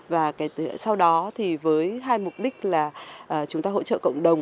và sau đó thì với hai mục đích là chúng ta hỗ trợ cộng đồng